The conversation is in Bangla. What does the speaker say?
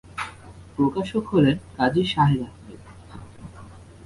প্রকাশক হলেন "কাজী শাহেদ আহমেদ"।